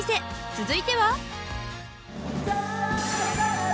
続いては］